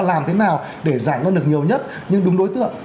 làm thế nào để giải ngân được nhiều nhất nhưng đúng đối tượng